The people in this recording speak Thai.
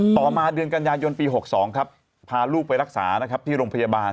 ต่อมาเดือนกันยายนปี๖๒ครับพาลูกไปรักษานะครับที่โรงพยาบาล